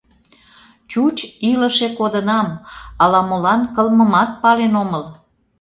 Чуч илыше кодынам, ала-молан кылмымат пален омыл...